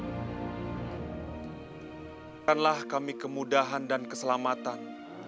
bukanlah kami kemudahan dan keselamatan